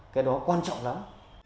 cái đó quan trọng lắm